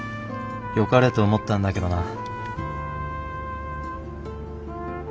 よかれと思ったんだけどな。